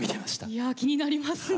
いや気になりますね